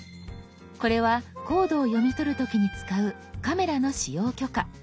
これはコードを読み取る時に使うカメラの使用許可。